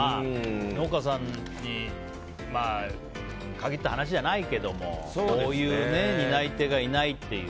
農家さんに限った話じゃないけども担い手がいないっていう。